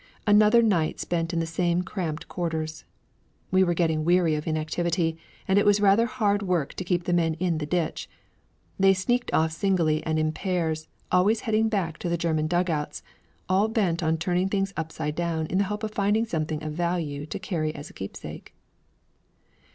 Another night spent in the same cramped quarters! We were getting weary of inactivity, and it was rather hard work to keep the men in the ditch. They sneaked off singly and in pairs, always heading back to the German dug outs, all bent on turning things upside down in the hope of finding something of value to carry as a keepsake.